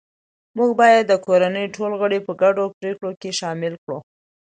موږ باید د کورنۍ ټول غړي په ګډو پریکړو کې شامل کړو